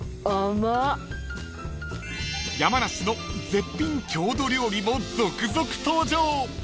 ［山梨の絶品郷土料理も続々登場］